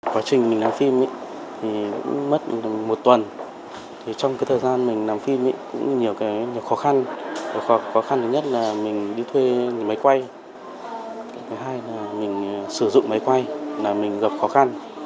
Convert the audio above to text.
quá trình mình làm phim mất một tuần trong thời gian mình làm phim cũng nhiều khó khăn khó khăn nhất là mình đi thuê máy quay cái hai là mình sử dụng máy quay là mình gặp khó khăn